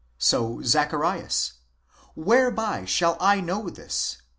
so Zacharias—' Whereby shall I know this?"